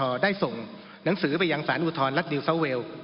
ได้ส่งหนังสือไปยังสารอุทธรณรัฐนิวซาวเวล